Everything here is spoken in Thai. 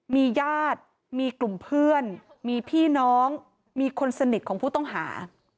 มีญาติมีกลุ่มเพื่อนมีพี่น้องมีคนสนิทของผู้ต้องหา